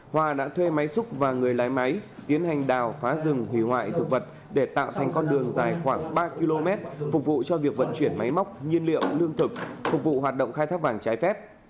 hòa đã thuê máy xúc và người lái máy tiến hành đào phá rừng hủy hoại thực vật để tạo thành con đường dài khoảng ba km phục vụ cho việc vận chuyển máy móc nhiên liệu lương thực phục vụ hoạt động khai thác vàng trái phép